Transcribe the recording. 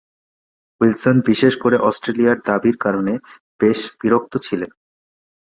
Wilson বিশেষ করে অস্ট্রেলিয়ার দাবীর কারণে বেশ বিরক্ত ছিলেন।